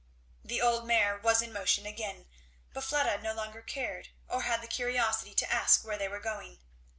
The old mare was in motion again, but Fleda no longer cared or had the curiosity to ask where they were going.